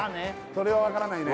それは分からないね